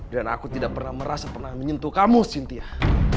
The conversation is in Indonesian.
dan aku tidak pernah merasa pernah menyentuh kamu sitiah